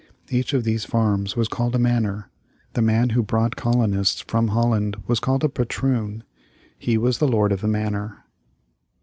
Each of these farms was called a manor. The man who brought colonists from Holland was called a patroon. He was the Lord of the Manor.